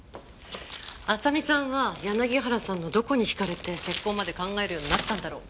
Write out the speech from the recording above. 亜沙美さんは柳原さんのどこに惹かれて結婚まで考えるようになったんだろう。